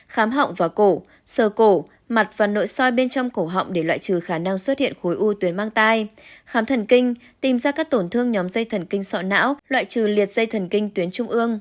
khám thần kinh tìm ra các tổn thương nhóm dây thần kinh sọ não loại trừ liệt dây thần kinh tuyến trung ương